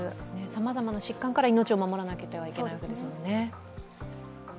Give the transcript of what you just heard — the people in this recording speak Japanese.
さまざまな疾患から命を守らなければいけないですね。